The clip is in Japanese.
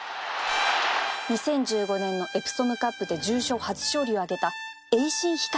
２０１５年のエプソムカップで重賞初勝利を挙げた